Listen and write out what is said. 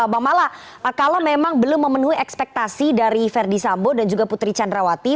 bang mala kalau memang belum memenuhi ekspektasi dari verdi sambo dan juga putri candrawati